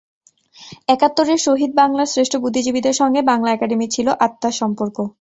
একাত্তরের শহীদ বাংলার শ্রেষ্ঠ বুদ্ধিজীবীদের সঙ্গে বাংলা একাডেমির ছিল আত্মার সম্পর্ক।